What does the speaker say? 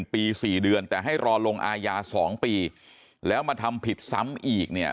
ปี๔เดือนแต่ให้รอลงอาญา๒ปีแล้วมาทำผิดซ้ำอีกเนี่ย